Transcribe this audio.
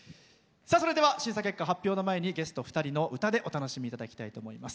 審査結果、発表の前にゲスト２人の歌でお楽しみいただきたいと思います。